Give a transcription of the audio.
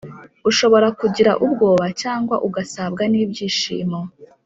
Ushobora kugira ubwoba cyangwa ugasabwa n ibyishimo